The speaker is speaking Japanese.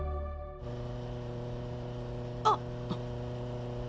あっ！